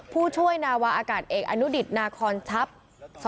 ผู้ช่วยนาวาอากาศเอกอนุดิตนาคอนทัพ